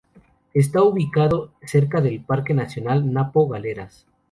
Está ubicado cerca del Parque nacional Napo Galeras.